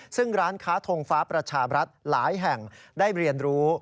ซึ่งร้านค้าทงฟ้าประชาบรัฐหลายแห่งได้เรียนรู้